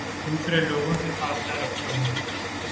دوسرے لوگوں سے فاصلہ رکھتا ہوں